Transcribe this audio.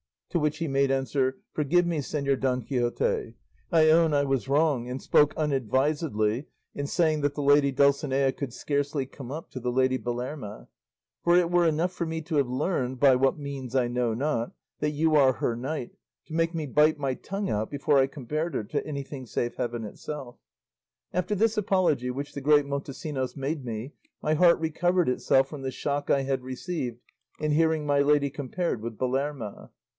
To which he made answer, 'Forgive me, Señor Don Quixote; I own I was wrong and spoke unadvisedly in saying that the lady Dulcinea could scarcely come up to the lady Belerma; for it were enough for me to have learned, by what means I know not, that you are her knight, to make me bite my tongue out before I compared her to anything save heaven itself.' After this apology which the great Montesinos made me, my heart recovered itself from the shock I had received in hearing my lady compared with Belerma."